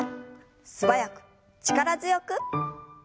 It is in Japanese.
素早く力強く。